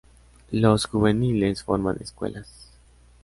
Los juveniles forman escuelas.